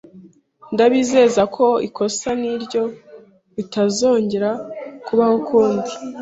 Ndabizeza ko ikosa nkiryo ritazongera kubaho ukundi.